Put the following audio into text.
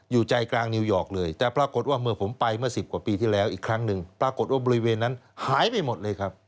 อยู่ใจกลางนิวยอร์กเลยแต่ปรากฏว่าเมื่อผมไปเมื่อ๑๐กว่าปีที่แล้วอีกครั้งหนึ่งปรากฏว่าบริเวณนั้นหายไปหมดเลยครับ